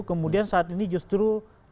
kemudian saat ini justru